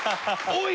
おい！